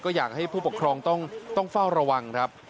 อยากให้ผู้ปกครองต้องเฝ้าระวังครับ